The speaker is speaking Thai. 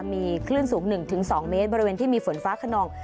มีคลื่นสูง๑๒เมตรบริเวณที่มีฝนฟ้าขนอง